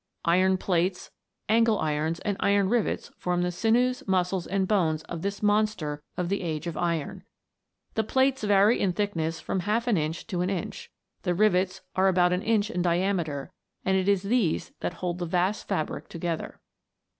Iron plates, angle irons, and iron rivets form the sinews, muscles, and bones of this monster of the age of iron. The plates vary in thickness from half an inch to an inch; the rivets are about an inch in diameter, and it is these that hold the vast fabric together.